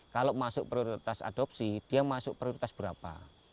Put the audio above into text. kalau masuk prioritas adopsi dia masuk prioritas berapa